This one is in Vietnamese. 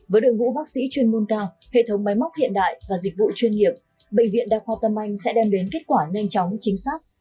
với đội ngũ bác sĩ chuyên môn cao hệ thống máy móc hiện đại và dịch vụ chuyên nghiệp bệnh viện đa khoa tâm anh sẽ đem đến kết quả nhanh chóng chính xác